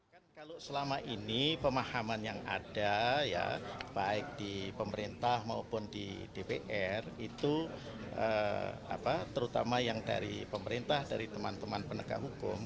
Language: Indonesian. kan kalau selama ini pemahaman yang ada ya baik di pemerintah maupun di dpr itu terutama yang dari pemerintah dari teman teman penegak hukum